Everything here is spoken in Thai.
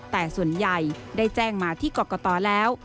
แต่ส่วนใหญ่ได้แจ้งมาที่กรกตแล้ว